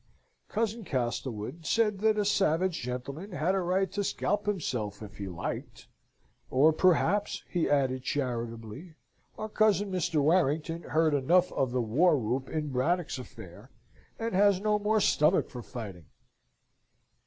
Cousin Castlewood said that a savage gentleman had a right to scalp himself if he liked; or perhaps, he added charitably, our cousin Mr. Warrington heard enough of the war whoop in Braddock's affair, and has no more stomach for fighting.